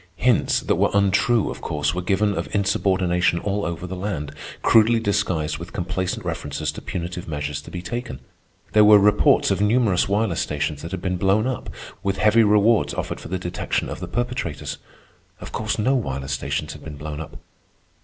Hints that were untrue, of course, were given of insubordination all over the land, crudely disguised with complacent references to punitive measures to be taken. There were reports of numerous wireless stations that had been blown up, with heavy rewards offered for the detection of the perpetrators. Of course no wireless stations had been blown up.